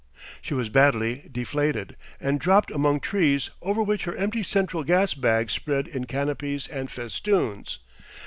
She was badly deflated, and dropped among trees, over which her empty central gas bags spread in canopies and festoons.